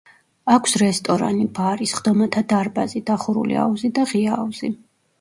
აქვს რესტორანი, ბარი, სხდომათა დარბაზი, დახურული აუზი და ღია აუზი.